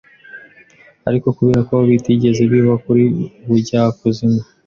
Ariko kubera ko bitigeze biva kuri ubujyakuzimu